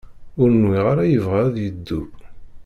Ur nwiɣ ara yebɣa ad yeddu.